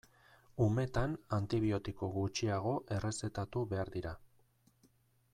Umetan antibiotiko gutxiago errezetatu behar dira.